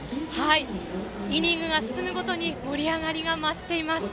イニングが進むごとに盛り上がりが増しています。